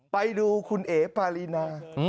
ไปดูคุณเอ๋ปารีนา